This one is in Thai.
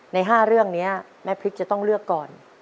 ใน๕เรื่องนี้แม่พริกจะต้องเลือกก่อน